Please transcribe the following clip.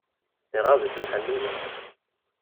Iɣaḍ-it lḥal nezzeh.